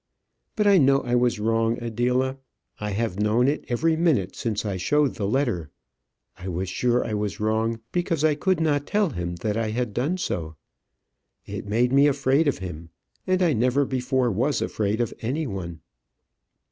But I know I was wrong, Adela. I have known it every minute since I showed the letter. I was sure I was wrong, because I could not tell him that I had done so. It made me afraid of him, and I never before was afraid of any one.